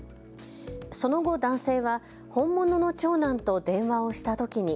その後、男性は本物の長男と電話をしたときに。